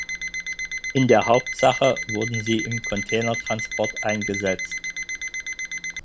In der Hauptsache wurden sie im Containertransport eingesetzt.